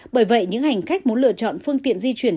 bởi vậy những hành khách muốn lựa chọn phương tiện di chuyển